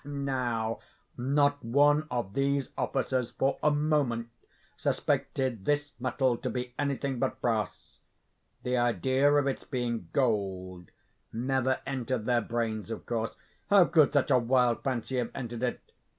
Now, not one of these officers for a moment suspected this metal to be anything but brass. The idea of its being gold never entered their brains, of course; how could such a wild fancy have entered it?